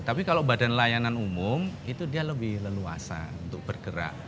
tapi kalau badan layanan umum itu dia lebih leluasa untuk bergerak